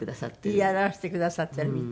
言い表してくださっているみたい？